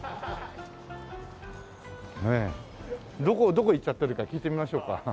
どこいっちゃってるか聞いてみましょうか。